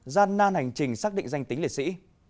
gian nan hành trình xác định danh tính liệt sĩ